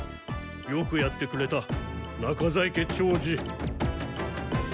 よくやってくれた中在家長次。